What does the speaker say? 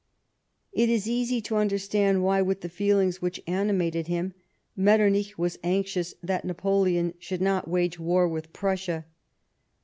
It is easy to understand why, with the feelings which animated him, Metternich was anxious that Napoleon should not wage war with Prussia.